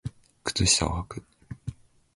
靴下をはく